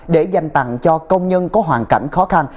để dành tặng cho công nhân có hoàn cảnh khó khăn